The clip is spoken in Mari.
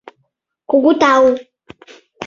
— Кугу тау.